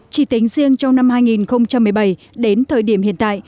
chỉ tính riêng trong năm hai nghìn một mươi bảy đến thời điểm hiện tại